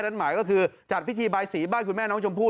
นั่นหมายก็คือจัดพิธีบายสีบ้านคุณแม่น้องชมพู่